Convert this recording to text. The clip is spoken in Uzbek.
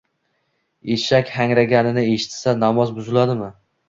Eshak hangraganini eshitsa, namoz buziladimi?